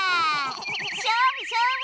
しょうぶしょうぶ。